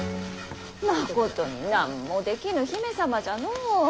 まことに何もできぬ姫様じゃのう。